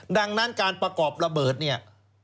ดังนั้นการประกอบระเบิดเนี่ย